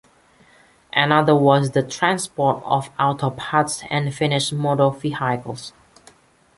Another was the transport of auto parts and finished motor vehicles.